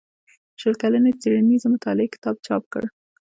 د شل کلنې څيړنيزې مطالعې کتاب چاپ کړ